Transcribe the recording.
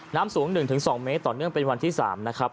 น้ำสูง๑๒เมตรต่อเนื่องเป็นวันที่๓นะครับ